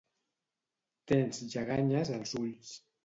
Tens lleganyes als ulls